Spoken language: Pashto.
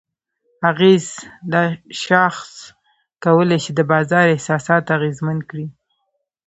اغېز: دا شاخص کولی شي د بازار احساسات اغیزمن کړي؛